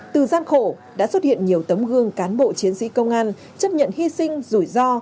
từ gian khổ đã xuất hiện nhiều tấm gương cán bộ chiến sĩ công an chấp nhận hy sinh rủi ro